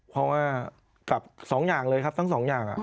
เพราะว่ากับ๒อย่างเลยครับทั้งสองอย่าง